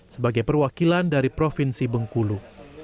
sebagai perwakilan dari provinsi bengkulu